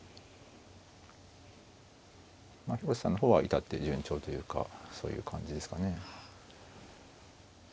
広瀬さんの方は至って順調というかそういう感じですかね。